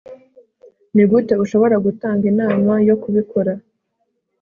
nigute ushobora gutanga inama yo kubikora